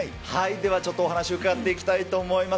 ではちょっとお話伺っていきたいと思います。